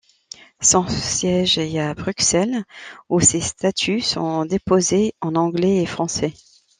Son siège est à Bruxelles où ses statuts sont déposés en anglais et français.